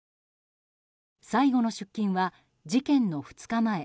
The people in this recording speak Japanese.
最後の出勤は事件の２日前